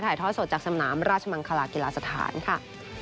ท่อสดจากสนามราชมังคลากีฬาสถานค่ะ